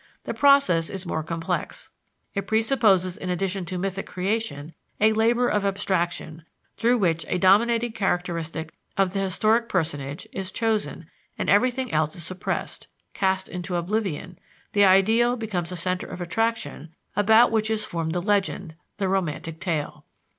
The process is more complex. It presupposes in addition to mythic creation a labor of abstraction, through which a dominating characteristic of the historic personage is chosen and everything else is suppressed, cast into oblivion: the ideal becomes a center of attraction about which is formed the legend, the romantic tale.